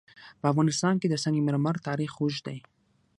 په افغانستان کې د سنگ مرمر تاریخ اوږد دی.